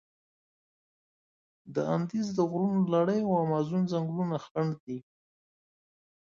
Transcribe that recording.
د اندیز د غرونو لړي او امازون ځنګلونه خنډ دي.